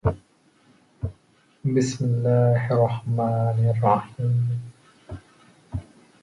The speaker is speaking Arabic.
وأطبق الخبزَ وكلْ هنيّا